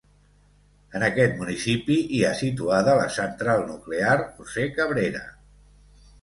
En aquest municipi hi ha situada la Central Nuclear José Cabrera.